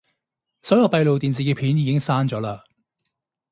所有閉路電視嘅片已經刪咗喇